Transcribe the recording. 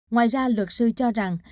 ngoài ra luật sư cho rằng